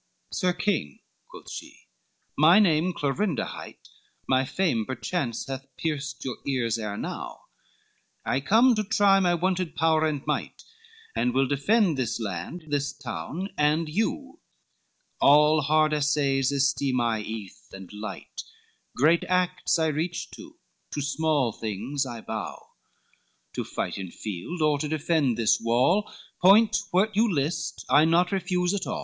XLVI "Sir King," quoth she, "my name Clorinda hight, My fame perchance has pierced your ears ere now, I come to try my wonted power and might, And will defend this land, this town, and you, All hard assays esteem I eath and light, Great acts I reach to, to small things I bow, To fight in field, or to defend this wall, Point what you list, I naught refuse at all."